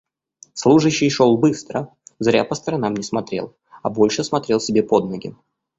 Служащий шёл быстро, зря по сторонам не смотрел, а больше смотрел себе под ноги.